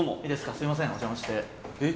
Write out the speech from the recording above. すいませんお邪魔してえっ？